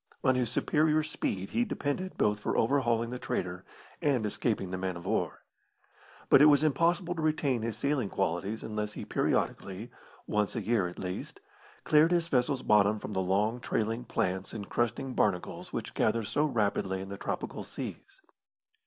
On his superior speed he depended both for overhauling the trader and escaping the man of war. But it was impossible to retain his sailing qualities unless he periodically once a year, at the least cleared his vessel's bottom from the long, trailing plants and crusting barnacles which gather so rapidly in the tropical seas.